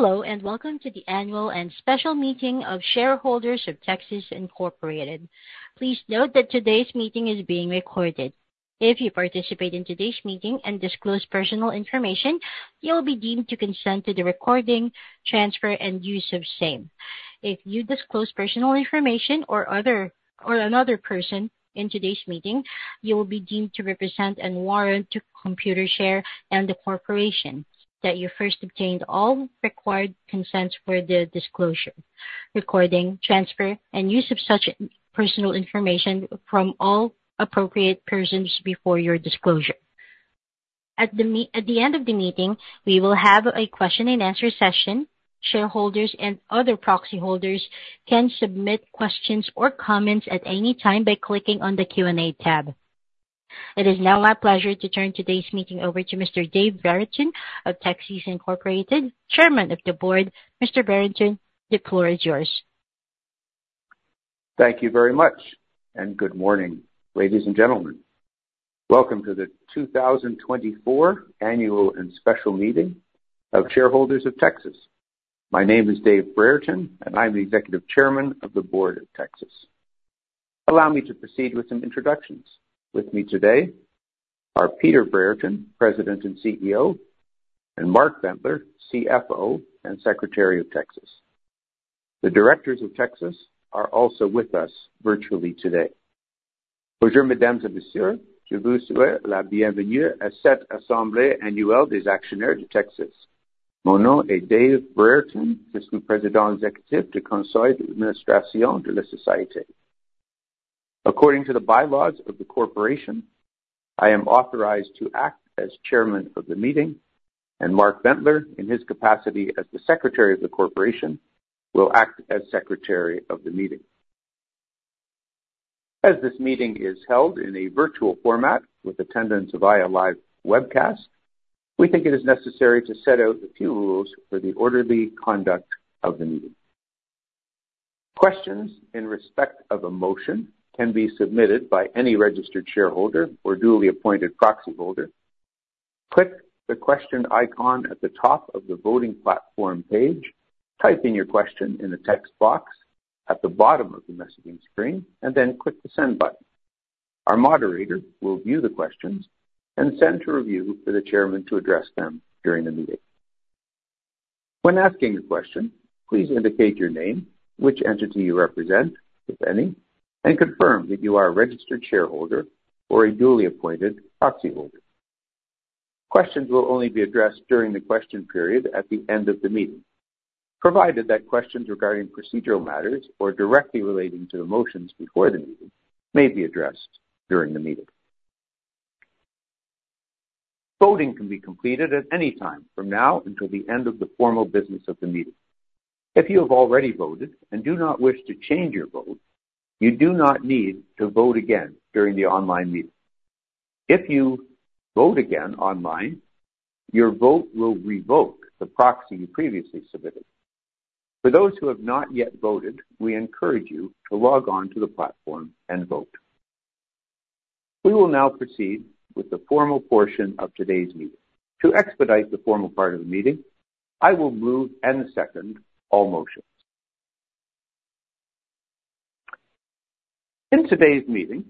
Hello, and welcome to the annual and special meeting of shareholders of Tecsys Inc. Please note that today's meeting is being recorded. If you participate in today's meeting and disclose personal information, you'll be deemed to consent to the recording, transfer, and use of same. If you disclose personal information or another person in today's meeting, you will be deemed to represent and warrant to Computershare and the corporation that you first obtained all required consents for the disclosure, recording, transfer, and use of such personal information from all appropriate persons before your disclosure. At the end of the meeting, we will have a question and answer session. Shareholders and other proxy holders can submit questions or comments at any time by clicking on the Q&A tab. It is now my pleasure to turn today's meeting over to Mr. Dave Brereton of Tecsys Inc., Chairman of the Board. Mr. Brereton, the floor is yours. Thank you very much, and good morning, ladies and gentlemen. Welcome to the 2024 annual and special meeting of shareholders of Tecsys. My name is Dave Brereton, and I'm the Executive Chairman of the Board of Tecsys. Allow me to proceed with some introductions. With me today are Peter Brereton, President and CEO, and Mark Bentler, CFO and Secretary of Tecsys. The directors of Tecsys are also with us virtually today. According to the bylaws of the corporation, I am authorized to act as Chairman of the meeting, and Mark Bentler, in his capacity as the Secretary of the corporation, will act as Secretary of the meeting. As this meeting is held in a virtual format with attendance via live webcast, we think it is necessary to set out a few rules for the orderly conduct of the meeting. Questions in respect of a motion can be submitted by any registered shareholder or duly appointed proxy holder. Click the question icon at the top of the voting platform page, type in your question in the text box at the bottom of the messaging screen, and then click the send button. Our moderator will view the questions and send to review for the chairman to address them during the meeting. When asking a question, please indicate your name, which entity you represent, if any, and confirm that you are a registered shareholder or a duly appointed proxy holder. Questions will only be addressed during the question period at the end of the meeting, provided that questions regarding procedural matters or directly relating to the motions before the meeting may be addressed during the meeting. Voting can be completed at any time from now until the end of the formal business of the meeting. If you have already voted and do not wish to change your vote, you do not need to vote again during the online meeting. If you vote again online, your vote will revoke the proxy you previously submitted. For those who have not yet voted, we encourage you to log on to the platform and vote. We will now proceed with the formal portion of today's meeting. To expedite the formal part of the meeting, I will move and second all motions. In today's meeting,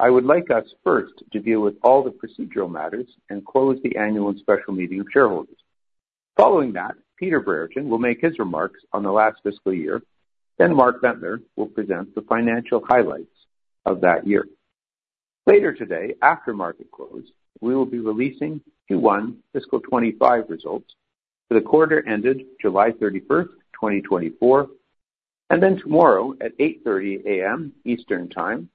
I would like us first to deal with all the procedural matters and close the annual and special meeting of shareholders. Following that, Peter Brereton will make his remarks on the last fiscal year, then Mark Bentler will present the financial highlights of that year. Later today, after market close, we will be releasing Q1 fiscal 2025 results for the quarter ended July 31st, 2024, and then tomorrow at 8:30 A.M. Eastern Time,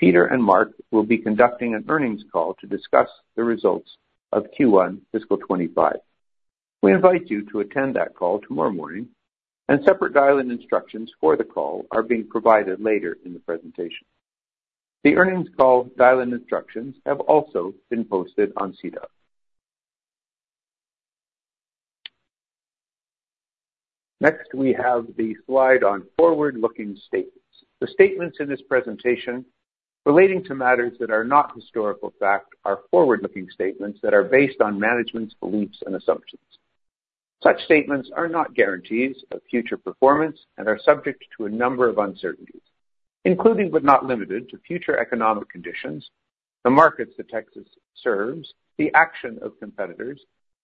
Peter and Mark will be conducting an earnings call to discuss the results of Q1 fiscal 2025. We invite you to attend that call tomorrow morning and separate dial-in instructions for the call are being provided later in the presentation. The earnings call dial-in instructions have also been posted on SEDAR. Next, we have the slide on forward-looking statements. The statements in this presentation relating to matters that are not historical fact are forward-looking statements that are based on management's beliefs and assumptions. Such statements are not guarantees of future performance and are subject to a number of uncertainties, including but not limited to future economic conditions, the markets that Tecsys serves, the action of competitors,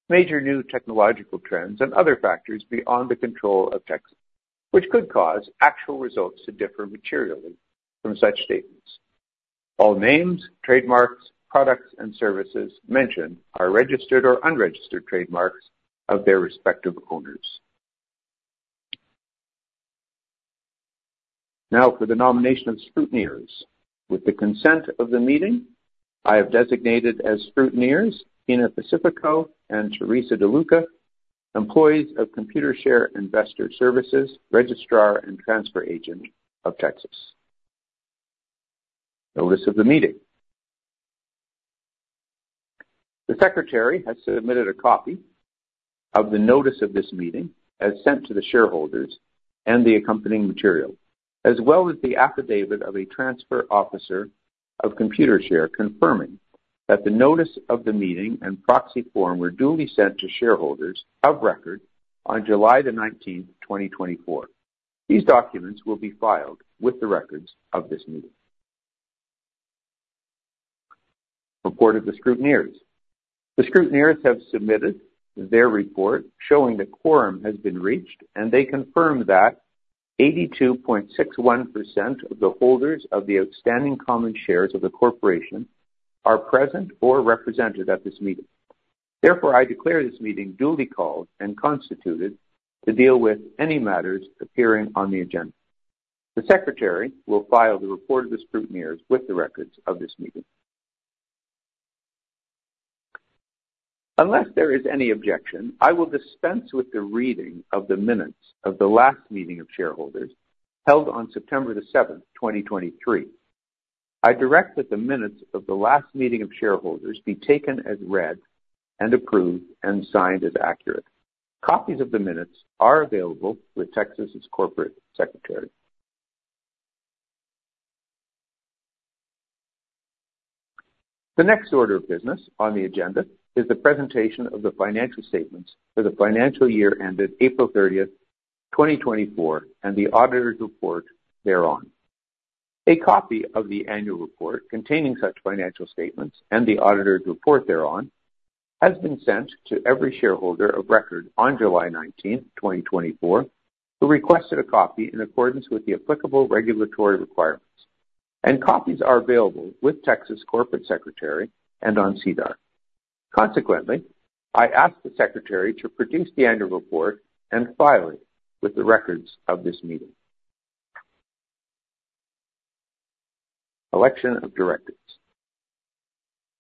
major new technological trends, and other factors beyond the control of Tecsys, which could cause actual results to differ materially from such statements. All names, trademarks, products, and services mentioned are registered or unregistered trademarks of their respective owners. Now for the nomination of scrutineers. With the consent of the meeting, I have designated as scrutineers, Pina Pacifico and Teresa DeLuca, employees of Computershare Investor Services, registrar and transfer agent of Tecsys. Notice of the meeting. The secretary has submitted a copy of the notice of this meeting as sent to the shareholders and the accompanying material, as well as the affidavit of a transfer officer of Computershare confirming that the notice of the meeting and proxy form were duly sent to shareholders of record on July the 19th, 2024. These documents will be filed with the records of this meeting. Report of the scrutineers. The scrutineers have submitted their report showing the quorum has been reached, and they confirm that 82.61% of the holders of the outstanding common shares of the corporation are present or represented at this meeting. Therefore, I declare this meeting duly called and constituted to deal with any matters appearing on the agenda. The secretary will file the report of the scrutineers with the records of this meeting. Unless there is any objection, I will dispense with the reading of the minutes of the last meeting of shareholders held on September 7, 2023. I direct that the minutes of the last meeting of shareholders be taken as read and approved and signed as accurate. Copies of the minutes are available with Tecsys' corporate secretary. The next order of business on the agenda is the presentation of the financial statements for the financial year ended April 30, 2024, and the auditor's report thereon. A copy of the annual report containing such financial statements and the auditor's report thereon has been sent to every shareholder of record on July 19, 2024, who requested a copy in accordance with the applicable regulatory requirements. Copies are available with Tecsys' corporate secretary and on SEDAR. Consequently, I ask the Secretary to produce the annual report and file it with the records of this meeting. Election of directors.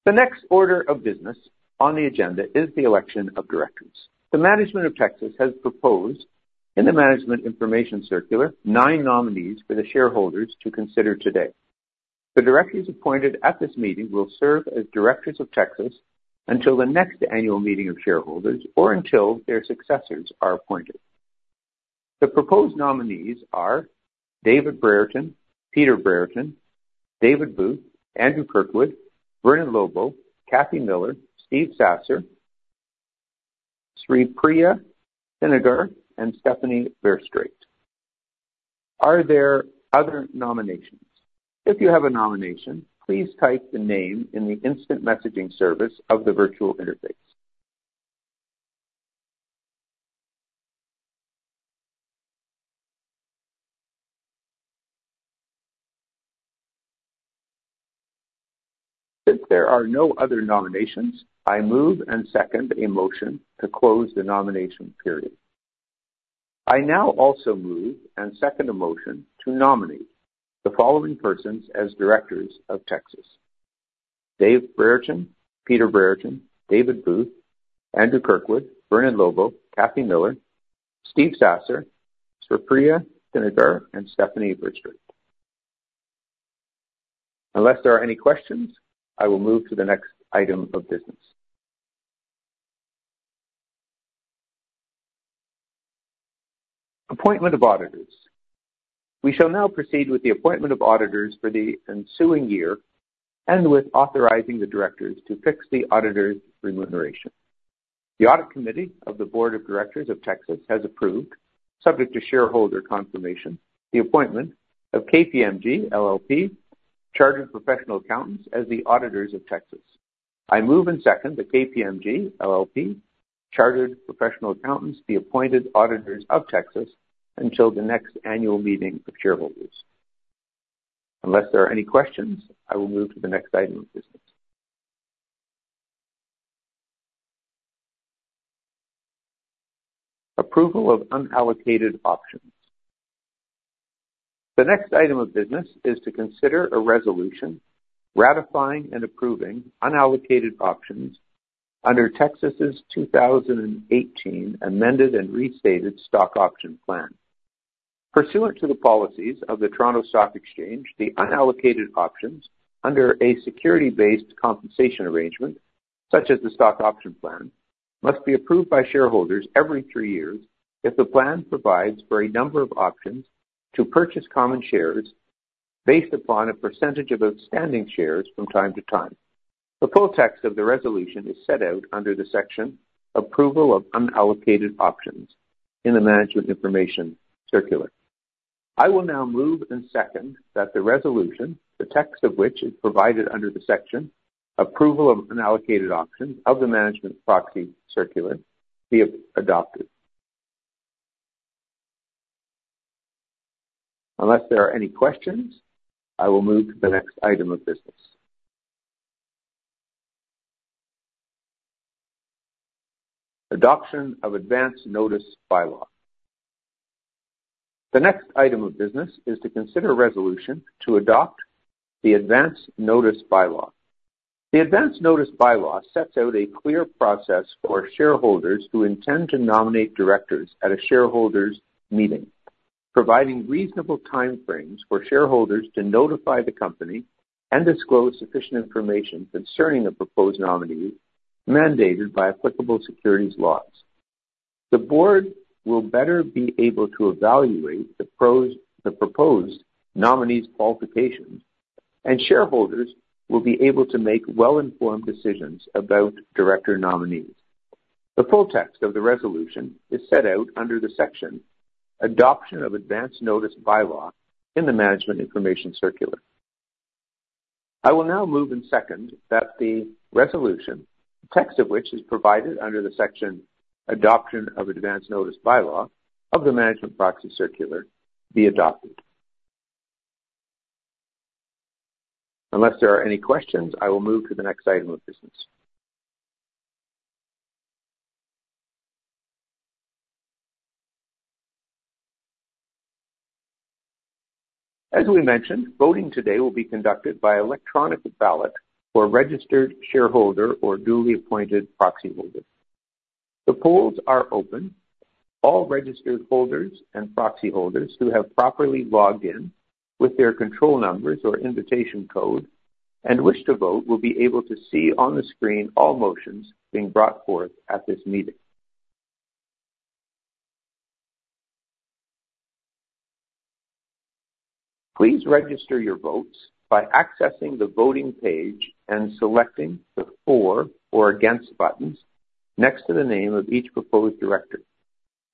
The next order of business on the agenda is the election of directors. The management of Tecsys has proposed in the Management Information Circular, nine nominees for the shareholders to consider today. The directors appointed at this meeting will serve as directors of Tecsys until the next annual meeting of shareholders or until their successors are appointed. The proposed nominees are Dave Brereton, Peter Brereton, David Booth, Andrew Kirkwood, Vernon Lobo, Kathleen Miller, Stephen Sasser, Sripriya Thinagar, and Stephany Verstraete. Are there other nominations? If you have a nomination, please type the name in the instant messaging service of the virtual interface. If there are no other nominations, I move and second a motion to close the nomination period. I now also move and second a motion to nominate the following persons as directors of Tecsys: Dave Brereton, Peter Brereton, David Booth, Andrew Kirkwood, Vernon Lobo, Kathleen Miller, Stephen Sasser, Sripriya Thinagar, and Stephany Verstraete. Unless there are any questions, I will move to the next item of business. Appointment of auditors. We shall now proceed with the appointment of auditors for the ensuing year and with authorizing the directors to fix the auditors' remuneration. The audit committee of the board of directors of Tecsys has approved, subject to shareholder confirmation, the appointment of KPMG LLP Chartered Professional Accountants as the auditors of Tecsys. I move and second that KPMG LLP Chartered Professional Accountants be appointed auditors of Tecsys until the next annual meeting of shareholders. Unless there are any questions, I will move to the next item of business. Approval of unallocated options. The next item of business is to consider a resolution ratifying and approving unallocated options under Tecsys' 2018 amended and restated stock option plan. Pursuant to the policies of the Toronto Stock Exchange, the unallocated options under a security-based compensation arrangement, such as the stock option plan, must be approved by shareholders every three years if the plan provides for a number of options to purchase common shares based upon a percentage of outstanding shares from time to time. The full text of the resolution is set out under the section "Approval of Unallocated Options" in the Management Information Circular. I will now move and second that the resolution, the text of which is provided under the section "Approval of Unallocated Options" of the Management Information Circular, be adopted. Unless there are any questions, I will move to the next item of business. Adoption of advance notice bylaw. The next item of business is to consider a resolution to adopt the advance notice bylaw. The advance notice bylaw sets out a clear process for shareholders who intend to nominate directors at a shareholders meeting, providing reasonable time frames for shareholders to notify the company and disclose sufficient information concerning the proposed nominee mandated by applicable securities laws. The board will better be able to evaluate the proposed nominees' qualifications, and shareholders will be able to make well-informed decisions about director nominees. The full text of the resolution is set out under the section, Adoption of Advance Notice Bylaw in the management information circular. I will now move and second that the resolution, the text of which is provided under the section, Adoption of Advance Notice Bylaw of the management proxy circular, be adopted. Unless there are any questions, I will move to the next item of business. As we mentioned, voting today will be conducted by electronic ballot for registered shareholder or duly appointed proxy holder. The polls are open. All registered holders and proxy holders who have properly logged in with their control numbers or invitation code and wish to vote, will be able to see on the screen all motions being brought forth at this meeting. Please register your votes by accessing the voting page and selecting the For or Against buttons next to the name of each proposed director,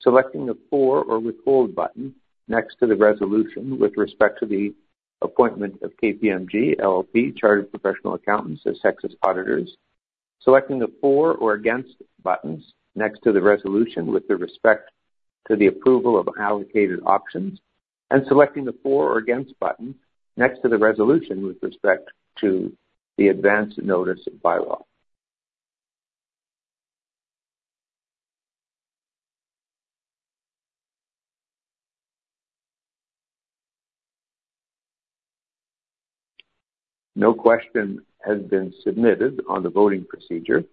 selecting the For or Withhold button next to the resolution with respect to the appointment of KPMG LLP Chartered Professional Accountants as Tecsys auditors, selecting the For or Against buttons next to the resolution with respect to the approval of allocated options, and selecting the For or Against button next to the resolution with respect to the advance notice bylaw. No question has been submitted on the voting procedure.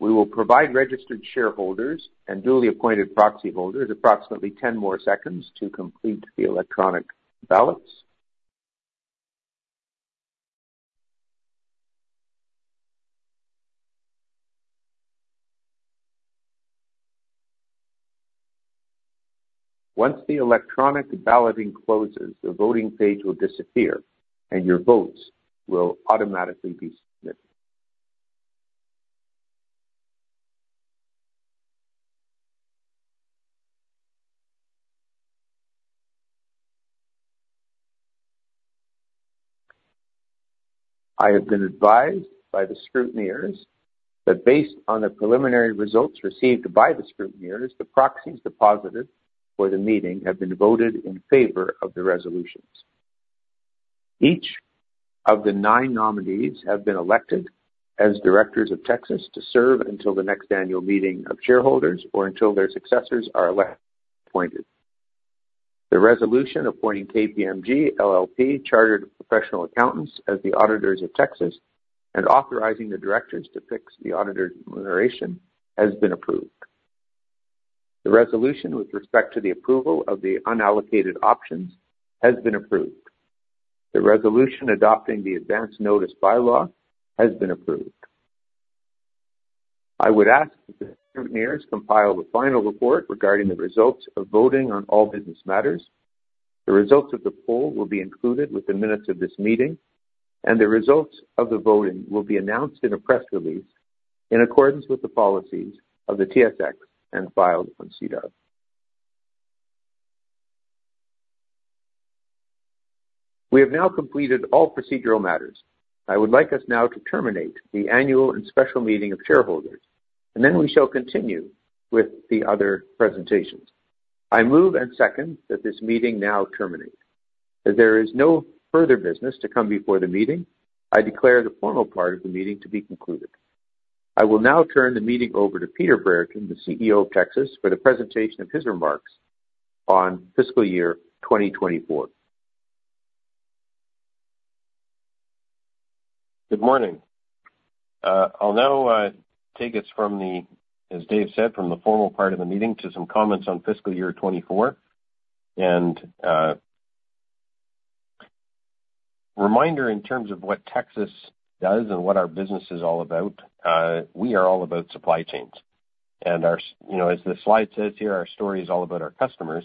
We will provide registered shareholders and duly appointed proxy holders approximately 10 more seconds to complete the electronic ballots. Once the electronic balloting closes, the voting page will disappear and your votes will automatically be submitted. I have been advised by the scrutineers that based on the preliminary results received by the scrutineers, the proxies deposited for the meeting have been voted in favor of the resolutions. Each of the nine nominees have been elected as directors of Tecsys to serve until the next annual meeting of shareholders or until their successors are elected or appointed. The resolution appointing KPMG LLP Chartered Professional Accountants as the auditors of Tecsys and authorizing the directors to fix the auditor's remuneration has been approved. The resolution with respect to the approval of the unallocated options has been approved. The resolution adopting the advance notice bylaw has been approved. I would ask that the scrutineers compile the final report regarding the results of voting on all business matters. The results of the poll will be included with the minutes of this meeting, and the results of the voting will be announced in a press release in accordance with the policies of the TSX and filed on SEDAR. We have now completed all procedural matters. I would like us now to terminate the annual and special meeting of shareholders, and then we shall continue with the other presentations. I move and second that this meeting now terminate. As there is no further business to come before the meeting, I declare the formal part of the meeting to be concluded. I will now turn the meeting over to Peter Brereton, the CEO of Tecsys, for the presentation of his remarks on fiscal year 2024. Good morning. I'll now take us, as Dave said, from the formal part of the meeting to some comments on fiscal year 2024. Reminder in terms of what Tecsys does and what our business is all about, we are all about supply chains. As the slide says here, our story is all about our customers,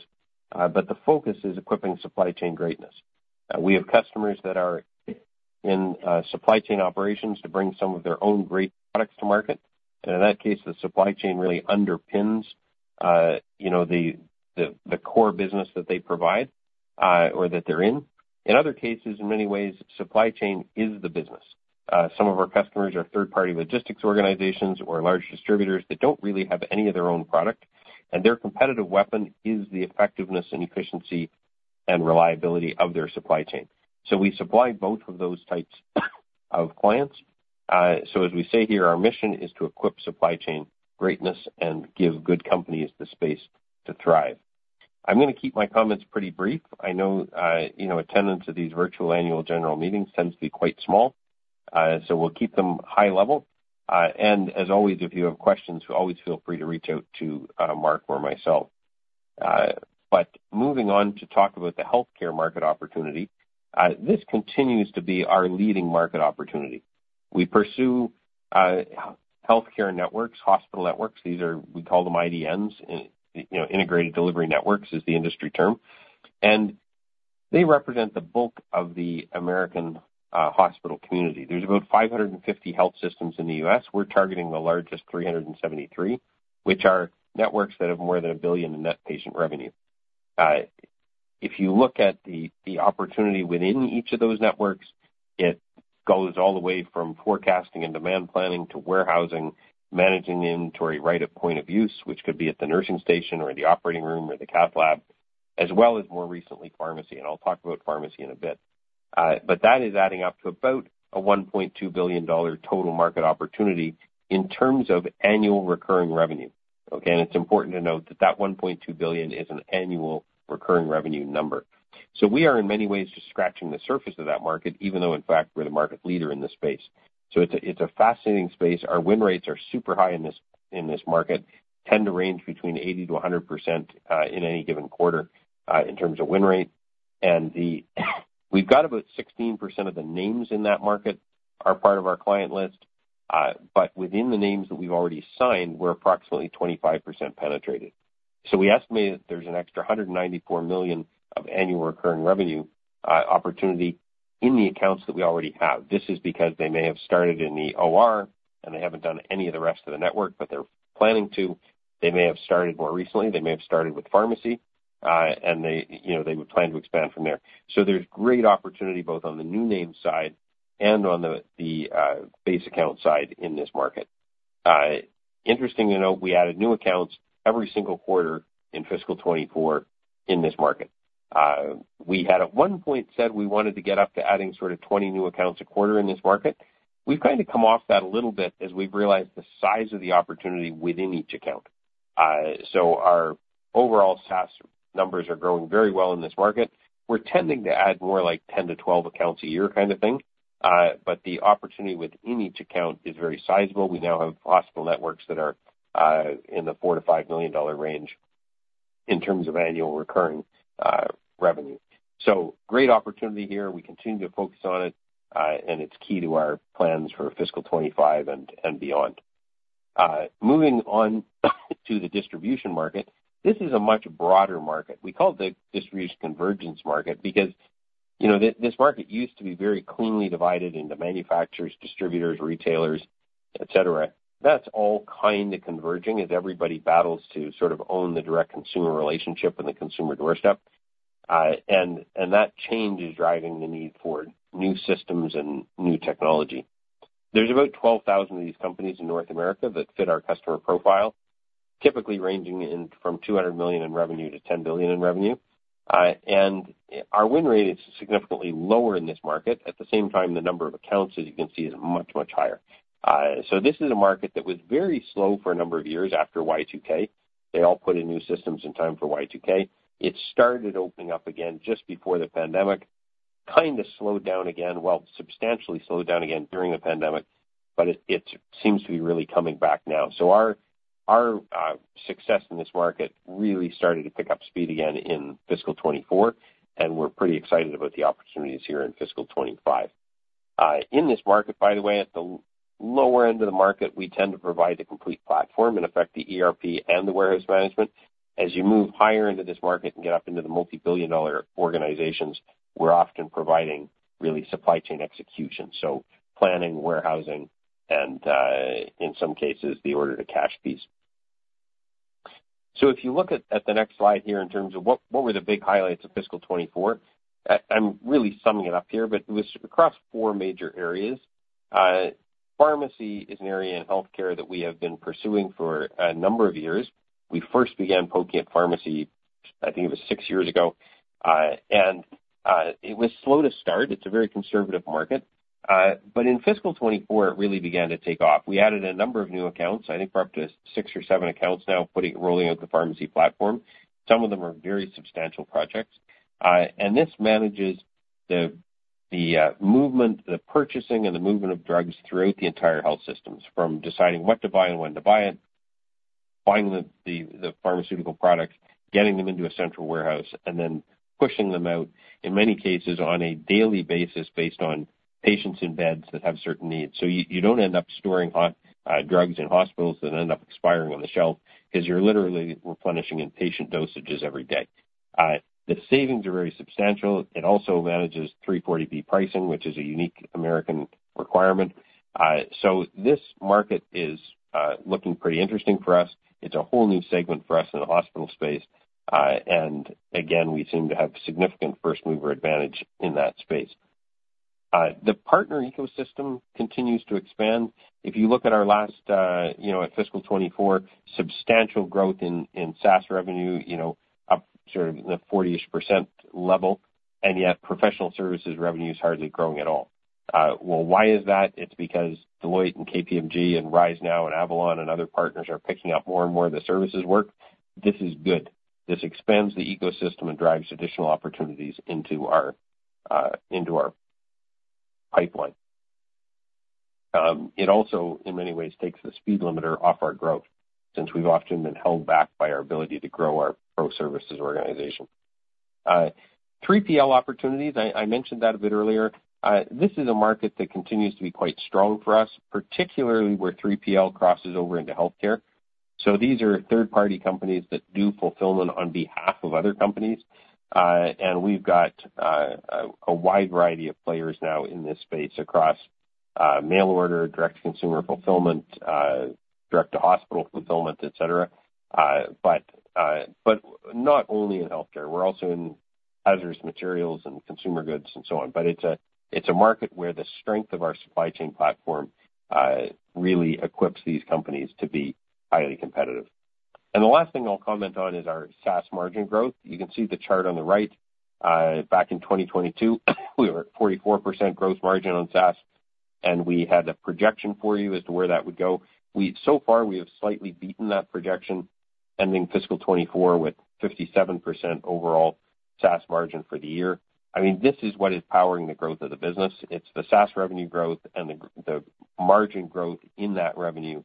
but the focus is equipping supply chain greatness. We have customers that are in supply chain operations to bring some of their own great products to market. In that case, the supply chain really underpins the core business that they provide or that they're in. In other cases, in many ways, supply chain is the business. Some of our customers are third-party logistics organizations or large distributors that don't really have any of their own product, and their competitive weapon is the effectiveness and efficiency and reliability of their supply chain. We supply both of those types of clients. As we say here, our mission is to equip supply chain greatness and give good companies the space to thrive. I'm going to keep my comments pretty brief. I know attendance at these virtual annual general meetings tends to be quite small, so we'll keep them high level. As always, if you have questions, always feel free to reach out to Mark or myself. Moving on to talk about the healthcare market opportunity. This continues to be our leading market opportunity. We pursue healthcare networks, hospital networks. We call them IDNs. Integrated Delivery Networks is the industry term, and they represent the bulk of the American hospital community. There's about 550 health systems in the U.S. We're targeting the largest, 373, which are networks that have more than $1 billion in net patient revenue. If you look at the opportunity within each of those networks, it goes all the way from forecasting and demand planning to warehousing, managing inventory right at point of use, which could be at the nursing station or in the operating room or the cath lab, as well as more recently, pharmacy. I'll talk about pharmacy in a bit. That is adding up to about a $1.2 billion total market opportunity in terms of annual recurring revenue. Okay? It's important to note that that $1.2 billion is an annual recurring revenue number. We are in many ways just scratching the surface of that market, even though, in fact, we're the market leader in this space. It's a fascinating space. Our win rates are super high in this market, tend to range between 80%-100% in any given quarter in terms of win rate. We've got about 16% of the names in that market are part of our client list. Within the names that we've already signed, we're approximately 25% penetrated. We estimate that there's an extra 194 million of annual recurring revenue opportunity in the accounts that we already have. This is because they may have started in the OR, and they haven't done any of the rest of the network, but they're planning to. They may have started more recently. They may have started with pharmacy, and they would plan to expand from there. There's great opportunity both on the new name side and on the base account side in this market. Interesting to note, we added new accounts every single quarter in fiscal 2024 in this market. We had at one point said we wanted to get up to adding sort of 20 new accounts a quarter in this market. We've kind of come off that a little bit as we've realized the size of the opportunity within each account. Our overall SaaS numbers are growing very well in this market. We're tending to add more like 10-12 accounts a year kind of thing. The opportunity within each account is very sizable. We now have hospital networks that are in the $4 million-$5 million range in terms of annual recurring revenue. Great opportunity here. We continue to focus on it. It's key to our plans for fiscal 2025 and beyond. Moving on to the distribution market. This is a much broader market. We call it the distribution convergence market because this market used to be very cleanly divided into manufacturers, distributors, retailers, et cetera. That's all kind of converging as everybody battles to sort of own the direct consumer relationship and the consumer doorstep. That change is driving the need for new systems and new technology. There's about 12,000 of these companies in North America that fit our customer profile, typically ranging from 200 million in revenue to 10 billion in revenue. Our win rate is significantly lower in this market. At the same time, the number of accounts, as you can see, is much, much higher. This is a market that was very slow for a number of years after Y2K. They all put in new systems in time for Y2K. It started opening up again just before the pandemic, kind of slowed down again, well, substantially slowed down again during the pandemic, but it seems to be really coming back now. Our success in this market really started to pick up speed again in fiscal 2024, and we're pretty excited about the opportunities here in fiscal 2025. In this market, by the way, at the lower end of the market, we tend to provide a complete platform, in effect, the ERP and the warehouse management. As you move higher into this market and get up into the multi-billion dollar organizations, we're often providing really supply chain execution, so planning, warehousing, and in some cases, the order to cash piece. If you look at the next slide here in terms of what were the big highlights of fiscal 2024, I'm really summing it up here, but it was across four major areas. Pharmacy is an area in healthcare that we have been pursuing for a number of years. We first began poking at pharmacy, I think it was six years ago, and it was slow to start. It's a very conservative market. In fiscal 2024, it really began to take off. We added a number of new accounts, I think we're up to six or seven accounts now, rolling out the pharmacy platform. Some of them are very substantial projects. This manages the purchasing and the movement of drugs throughout the entire health systems, from deciding what to buy and when to buy it, buying the pharmaceutical products, getting them into a central warehouse, and then pushing them out, in many cases, on a daily basis based on patients in beds that have certain needs. You don't end up storing drugs in hospitals that end up expiring on the shelf because you're literally replenishing in patient dosages every day. The savings are very substantial. It also manages 340B pricing, which is a unique American requirement. This market is looking pretty interesting for us. It's a whole new segment for us in the hospital space. We seem to have significant first-mover advantage in that space. The partner ecosystem continues to expand. If you look at our fiscal 2024, substantial growth in SaaS revenue, up sort of in the 40-ish% level, and yet professional services revenue is hardly growing at all. Well, why is that? It's because Deloitte and KPMG and RiseNow and Avalon and other partners are picking up more and more of the services work. This is good. This expands the ecosystem and drives additional opportunities into our pipeline. It also, in many ways, takes the speed limiter off our growth, since we've often been held back by our ability to grow our pro services organization. 3PL opportunities, I mentioned that a bit earlier. This is a market that continues to be quite strong for us, particularly where 3PL crosses over into healthcare. These are third-party companies that do fulfillment on behalf of other companies. We've got a wide variety of players now in this space across mail order, direct-to-consumer fulfillment, direct-to-hospital fulfillment, et cetera. Not only in healthcare, we're also in hazardous materials and consumer goods and so on. It's a market where the strength of our supply chain platform really equips these companies to be highly competitive. The last thing I'll comment on is our SaaS margin growth. You can see the chart on the right. Back in 2022, we were at 44% gross margin on SaaS, and we had a projection for you as to where that would go. So far, we have slightly beaten that projection, ending FY 2024 with 57% overall SaaS margin for the year. This is what is powering the growth of the business. It's the SaaS revenue growth and the margin growth in that revenue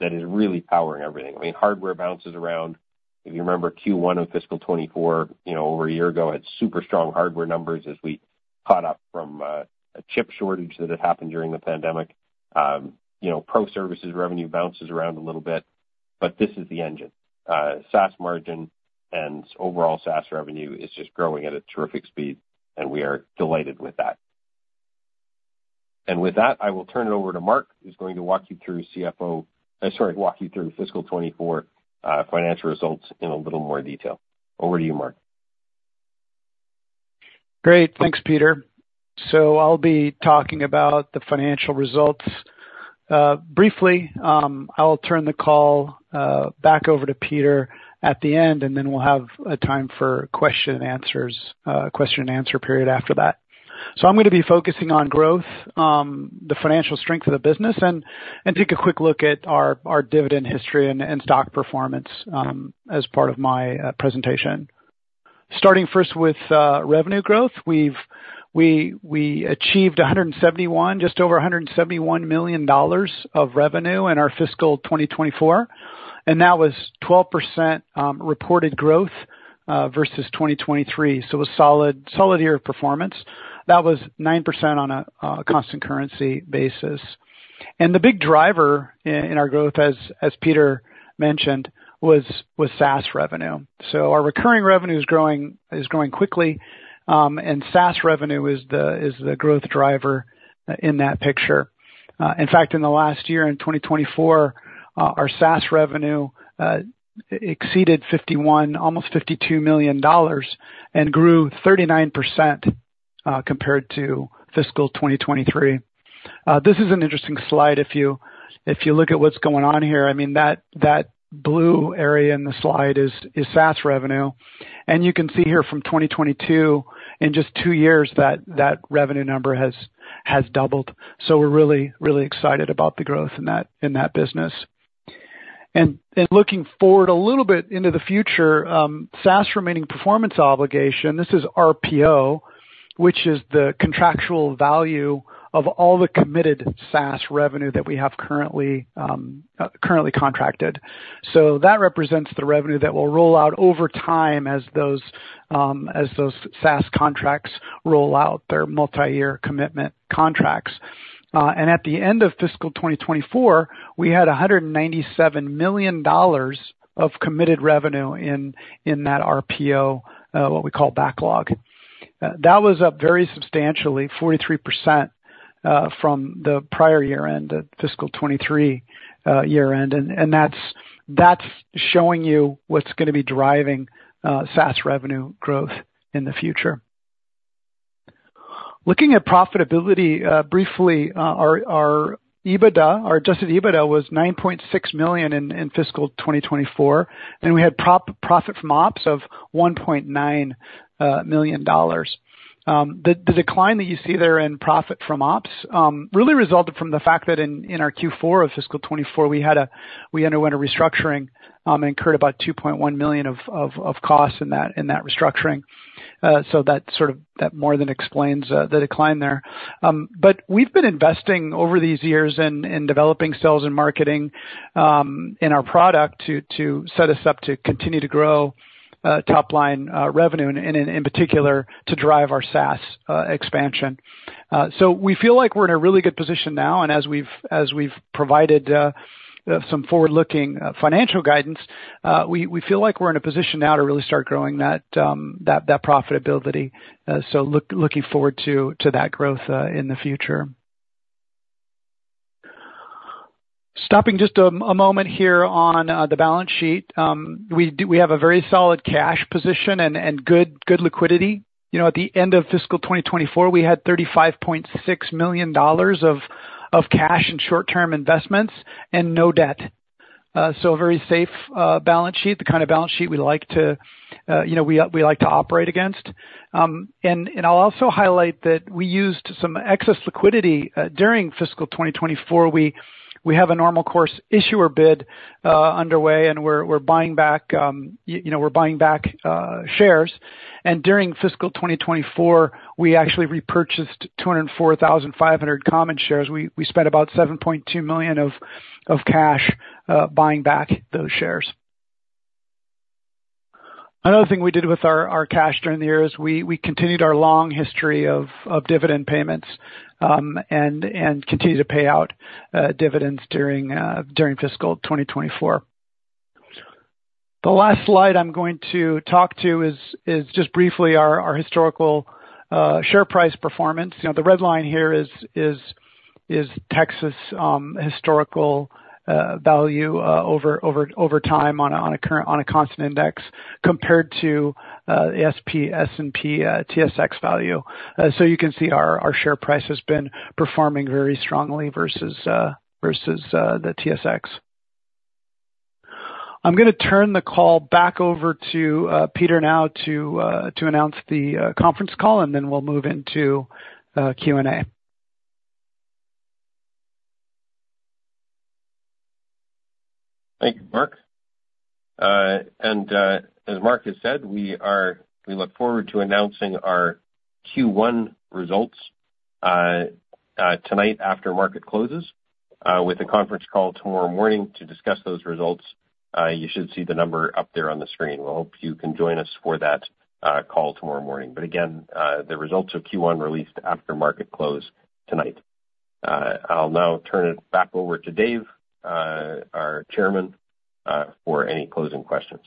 that is really powering everything. Hardware bounces around. If you remember Q1 of fiscal 2024, over a year ago, it had super strong hardware numbers as we caught up from a chip shortage that had happened during the pandemic. Pro services revenue bounces around a little bit, but this is the engine. SaaS margin and overall SaaS revenue is just growing at a terrific speed, and we are delighted with that. With that, I will turn it over to Mark, who's going to walk you through fiscal 2024 financial results in a little more detail. Over to you, Mark. Great. Thanks, Peter. I'll be talking about the financial results. Briefly, I'll turn the call back over to Peter at the end, and then we'll have a time for question and answer period after that. I'm going to be focusing on growth, the financial strength of the business, and take a quick look at our dividend history and stock performance as part of my presentation. Starting first with revenue growth. We achieved 171, just over 171 million dollars of revenue in our fiscal 2024, and that was 12% reported growth versus 2023. A solid year of performance. That was 9% on a constant currency basis. The big driver in our growth, as Peter mentioned, was SaaS revenue. Our recurring revenue is growing quickly, and SaaS revenue is the growth driver in that picture. In fact, in the last year, in 2024, our SaaS revenue exceeded 51 million, almost 52 million dollars, and grew 39% compared to fiscal 2023. This is an interesting slide if you look at what's going on here. That blue area in the slide is SaaS revenue. You can see here from 2022, in just two years, that revenue number has doubled. We're really excited about the growth in that business. Looking forward a little bit into the future, SaaS remaining performance obligation, this is RPO, which is the contractual value of all the committed SaaS revenue that we have currently contracted. That represents the revenue that will roll out over time as those SaaS contracts roll out their multi-year commitment contracts. At the end of fiscal 2024, we had 197 million dollars of committed revenue in that RPO, what we call backlog. That was up very substantially, 43%, from the prior year end, the fiscal 2023 year end. That's showing you what's going to be driving SaaS revenue growth in the future. Looking at profitability briefly, our adjusted EBITDA was 9.6 million in fiscal 2024, and we had profit from ops of 1.9 million dollars. The decline that you see there in profit from ops really resulted from the fact that in our Q4 of fiscal 2024, we underwent a restructuring, incurred about 2.1 million of costs in that restructuring. That more than explains the decline there. We've been investing over these years in developing sales and marketing in our product to set us up to continue to grow top-line revenue, and in particular, to drive our SaaS expansion. We feel like we're in a really good position now, and as we've provided some forward-looking financial guidance, we feel like we're in a position now to really start growing that profitability. Looking forward to that growth in the future. Stopping just a moment here on the balance sheet. We have a very solid cash position and good liquidity. At the end of fiscal 2024, we had 35.6 million dollars of cash and short-term investments and no debt. A very safe balance sheet, the kind of balance sheet we like to operate against. I'll also highlight that we used some excess liquidity during fiscal 2024. We have a normal course issuer bid underway, and we're buying back shares. During fiscal 2024, we actually repurchased 204,500 common shares. We spent about 7.2 million of cash buying back those shares. Another thing we did with our cash during the year is we continued our long history of dividend payments and continued to pay out dividends during fiscal 2024. The last slide I'm going to talk to is just briefly our historical share price performance. The red line here is Tecsys historical value over time on a constant index compared to S&P/TSX value. You can see our share price has been performing very strongly versus the TSX. I'm going to turn the call back over to Peter now to announce the conference call, and then we'll move into Q&A. Thank you, Mark. As Mark has said, we look forward to announcing our Q1 results tonight after market closes with a conference call tomorrow morning to discuss those results. You should see the number up there on the screen. We hope you can join us for that call tomorrow morning. Again, the results of Q1 released after market close tonight. I'll now turn it back over to Dave, our Chairman, for any closing questions.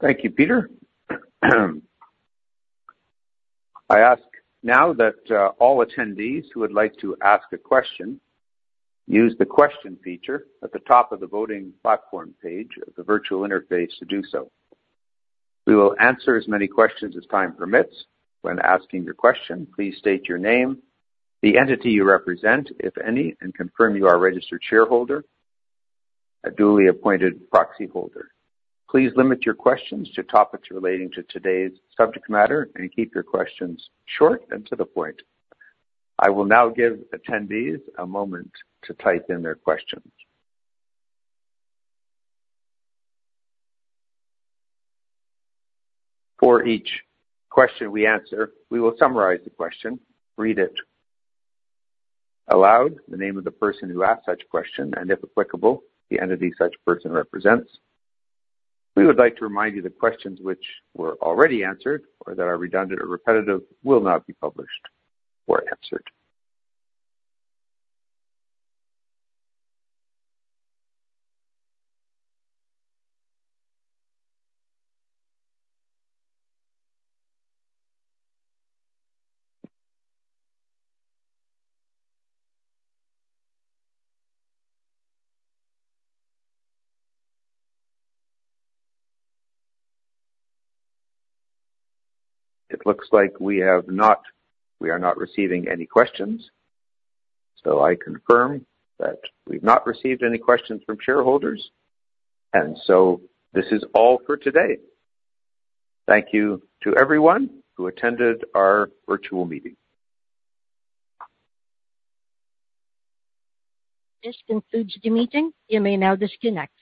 Thank you, Peter. I ask now that all attendees who would like to ask a question use the question feature at the top of the voting platform page of the virtual interface to do so. We will answer as many questions as time permits. When asking your question, please state your name, the entity you represent, if any, and confirm you are a registered shareholder, a duly appointed proxyholder. Please limit your questions to topics relating to today's subject matter and keep your questions short and to the point. I will now give attendees a moment to type in their questions. For each question we answer, we will summarize the question, read it aloud, the name of the person who asked such question, and if applicable, the entity such person represents. We would like to remind you that the questions which were already answered or that are redundant or repetitive will not be published or answered. It looks like we are not receiving any questions. I confirm that we've not received any questions from shareholders, and this is all for today. Thank you to everyone who attended our virtual meeting. This concludes the meeting. You may now disconnect.